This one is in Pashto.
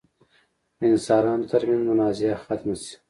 د انسانانو تر منځ منازعه ختمه شي.